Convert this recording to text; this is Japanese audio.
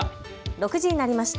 ６時になりました。